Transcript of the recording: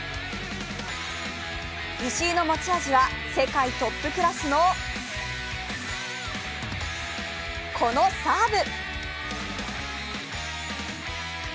石井の持ち味は世界トップクラスの、このサーブ。